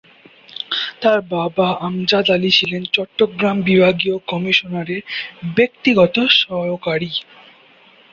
তার বাবা আমজাদ আলি ছিলেন চট্টগ্রাম বিভাগীয় কমিশনারের ব্যক্তিগত সহকারী।